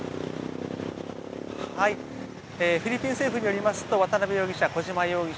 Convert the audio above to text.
フィリピン政府によりますと渡邉容疑者、小島容疑者